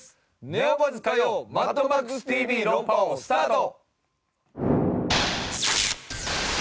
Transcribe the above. ネオバズ火曜『マッドマックスＴＶ論破王』スタート！